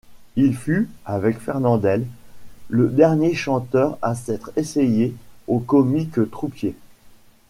Il fut, avec Fernandel, le dernier chanteur à s'être essayé au comique troupier.